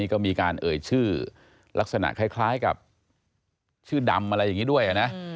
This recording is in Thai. ก็มีการเอ่ยชื่อลักษณะคล้ายกับชื่อดำอะไรอย่างนี้ด้วยนะ